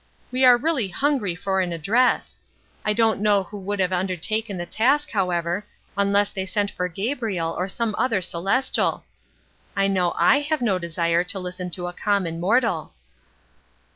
We are really hungry for an address! I don't know who would have undertaken the task, however, unless they sent for Gabriel or some other celestial. I know I have no desire to listen to a common mortal."